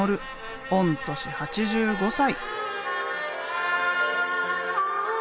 御年８５歳。